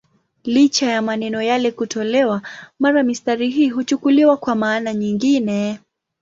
Licha ya maneno yale kutolewa, mara mistari hii huchukuliwa kwa maana nyingine.